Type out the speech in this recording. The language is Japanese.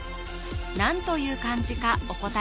何という漢字かお答え